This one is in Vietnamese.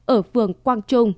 ở phường quang trung